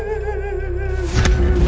tidak ada yang tahu